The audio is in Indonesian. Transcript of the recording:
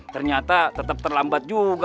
ternyata tetep terlambat juga